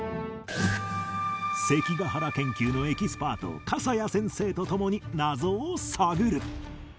関ヶ原研究のエキスパート笠谷先生と共に謎を探る